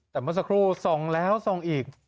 แต่เมื่อสักครู่ทรงแล้วทรงอีก